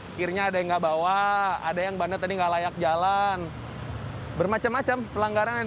akhirnya ada yang nggak bawa ada yang bandet tadi nggak layak jalan bermacam macam pelanggaran yang